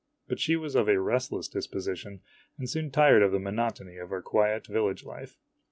But she was of a restless disposition, and soon tired of the monotony of our quiet village life.